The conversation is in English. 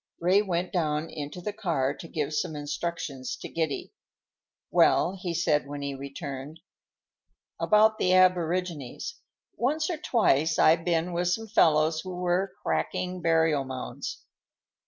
Ray went down into the car to give some instructions to Giddy. "Well," he said when he returned, "about the aborigines: once or twice I've been with some fellows who were cracking burial mounds.